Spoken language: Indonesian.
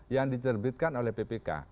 yang diterbitkan oleh ppk